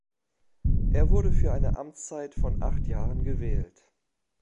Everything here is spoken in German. Er wurde für eine Amtszeit von acht Jahren gewählt.